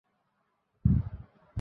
ও এখান থেকে বের হতে পারবে না।